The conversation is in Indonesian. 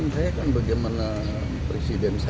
saya kan bagaimana presiden